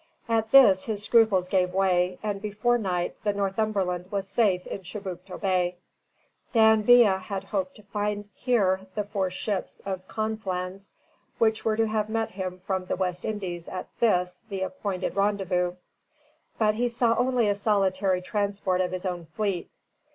At this his scruples gave way, and before night the "Northumberland" was safe in Chibucto Bay. D'Anville had hoped to find here the four ships of Conflans which were to have met him from the West Indies at this, the appointed rendezvous; but he saw only a solitary transport of his own fleet.